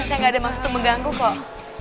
saya gak ada masa untuk mengganggu kok